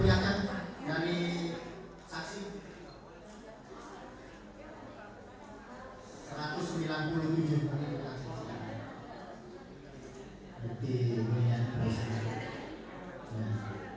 tunggu mau memperlihatkan barang bukit dulu nanti kita lihat bukit berkansi pembayaran silahkan